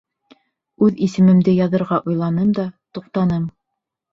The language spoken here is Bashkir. Үҙ исемемде яҙырға уйланым да, туҡтаным.